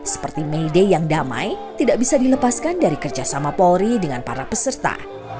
seperti may day yang damai tidak bisa dilepaskan dari kerjasama polri dengan para peserta